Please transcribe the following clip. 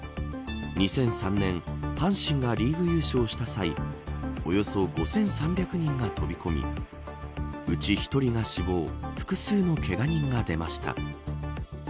２００３年阪神がリーグ優勝した際およそ５３００人が飛び込みうち１人が死亡複数のけが人が出ました。